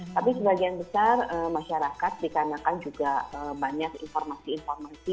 tapi sebagian besar masyarakat dikarenakan juga banyak informasi informasi